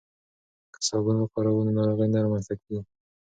که صابون وکاروو نو ناروغۍ نه رامنځته کیږي.